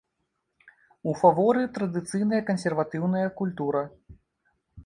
У фаворы традыцыйная кансерватыўная культура.